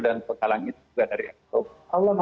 dan menghalang itu juga dari allah